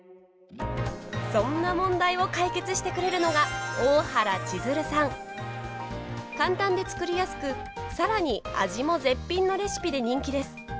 そんな問題を解決してくれるのが簡単で作りやすく更に味も絶品のレシピで人気です。